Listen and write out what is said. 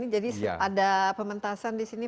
jadi ada pementasan di sini